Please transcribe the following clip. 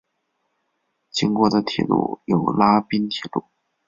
经过的铁路有拉滨铁路。